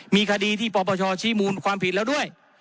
มีคดีที่ปปชชี้มูลความผิดแล้วด้วย